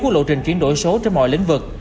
của lộ trình chuyển đổi số trên mọi lĩnh vực